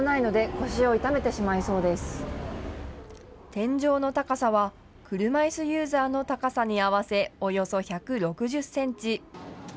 天井の高さは車いすユーザーの高さに合わせおよそ１６０センチ。